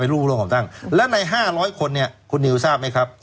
เป็นผู้ร่วมก่อตั้งแล้วในห้าร้อยคนเนี่ยคุณนิวทราบไหมครับ